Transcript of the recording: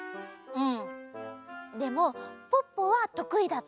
うん。